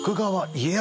家康？